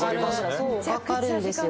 そうかかるんですよ